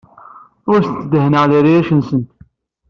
Ur asent-dehhneɣ leryac-nsent.